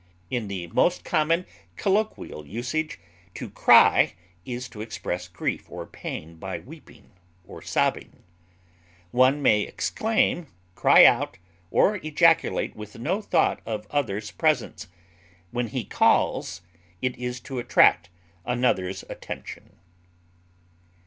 In the most common colloquial usage, to cry is to express grief or pain by weeping or sobbing. One may exclaim, cry out, or ejaculate with no thought of others' presence; when he calls, it is to attract another's attention.